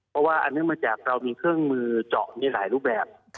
เพราะว่าเรามีเครื่องมือเจาะในหลายรูปแบบ